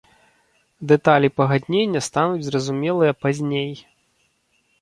Дэталі пагаднення стануць зразумелыя пазней.